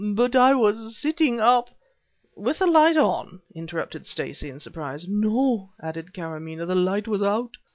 "But I was sitting up " "With the light on?" interrupted Stacey in surprise. "No," added Karamaneh; "the light was out."